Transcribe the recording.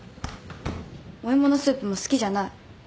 お芋のスープも好きじゃない。